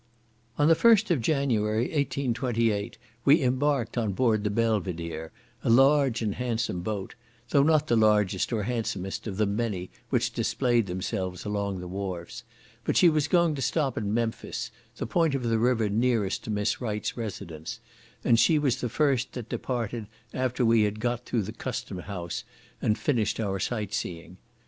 On the first of January, 1828, we embarked on board the Belvidere, a large and handsome boat; though not the largest or handsomest of the many which displayed themselves along the wharfs; but she was going to stop at Memphis, the point of the river nearest to Miss Wright's residence, and she was the first that departed after we had got through the customhouse, and finished our sight seeing.